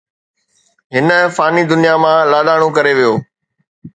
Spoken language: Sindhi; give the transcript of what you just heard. هن فاني دنيا مان لاڏاڻو ڪري ويو